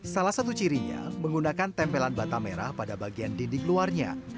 salah satu cirinya menggunakan tempelan bata merah pada bagian dinding luarnya